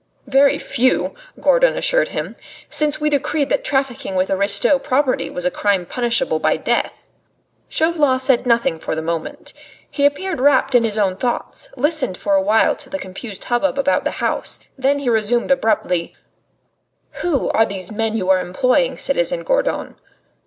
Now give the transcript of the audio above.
"Very few," Gourdon assured him, "since we decreed that trafficking with aristo property was a crime punishable by death." Chauvelin said nothing for the moment. He appeared wrapped in his own thoughts, listened for a while to the confused hubbub about the house, then he resumed abruptly: "Who are these men whom you are employing, citizen Gourdon?"